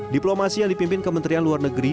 diplomasi yang dipimpin kementerian luar negeri